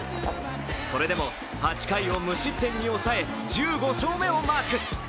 それでも８回を無失点に抑え、１５勝目をマーク。